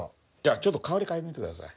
ちょっと香り嗅いでみて下さい。